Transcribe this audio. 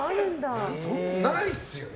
そんなのないっすよね。